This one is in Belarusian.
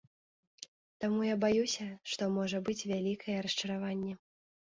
Таму я баюся, што можа быць вялікае расчараванне.